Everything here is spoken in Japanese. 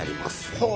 ほう。